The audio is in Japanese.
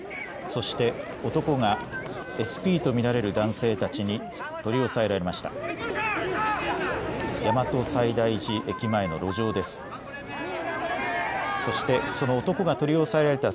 そして男がＳＰと見られる男性たちに取り押さえられました。